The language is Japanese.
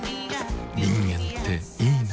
人間っていいナ。